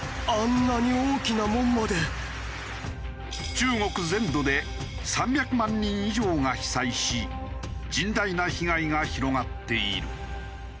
中国全土で３００万人以上が被災し甚大な被害が広がっている。